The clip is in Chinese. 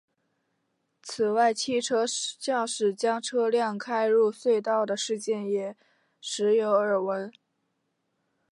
此外汽车驾驶将车辆开入隧道的事件也时有耳闻。